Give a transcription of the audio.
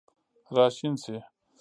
راشین شي